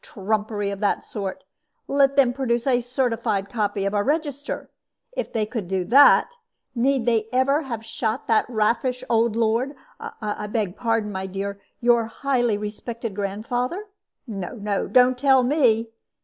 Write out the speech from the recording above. Trumpery of that sort! Let them produce a certified copy of a register. If they could do that, need they ever have shot that raffish old lord I beg pardon, my dear your highly respected grandfather? No, no; don't tell me.